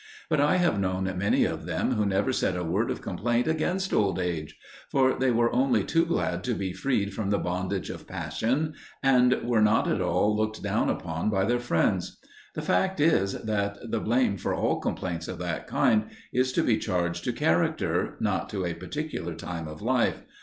But I have known many of them who never said a word of complaint against old age; for they were only too glad to be freed from the bondage of passion, and were not at all looked down upon by their friends. The fact is that the blame for all complaints of that kind is to be charged to character, not to a particular time of life.